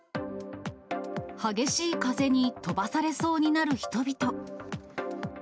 激しい風に飛ばされそうになる人々。